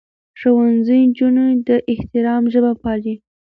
ښوونځی نجونې د احترام ژبه پالي.